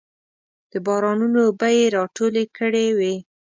د بارانونو اوبه یې راټولې کړې وې.